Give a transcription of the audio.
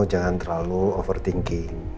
jangan terlalu over thinking